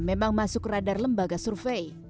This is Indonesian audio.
memang masuk radar lembaga survei